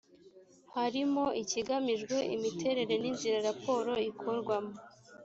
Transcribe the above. harimo ikigamijwe imiterere n’inzira raporo ikorwamo